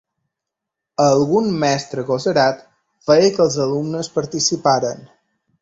Algun mestre agosarat feia que els alumnes participaren-